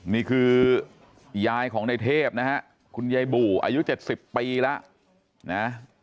นี่คือยายของในเทพนะฮะคุณยายบู่อายุ๗๐ปีแล้วนะ